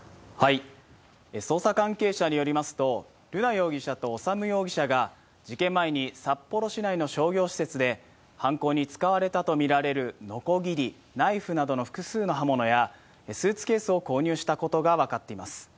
捜査関係者によりますと、瑠奈容疑者と修容疑者が、事件前に札幌市内の商業施設で犯行に使われたと見られるのこぎり、ナイフなどの複数の刃物やスーツケースを購入したことが分かっています。